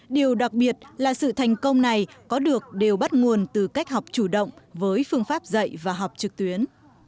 điều đặc biệt là sự thành công này có được đều bắt nguồn từ cách học chủ động với phương pháp dạy và học trực tuyến